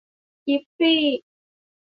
กิ๊บซี่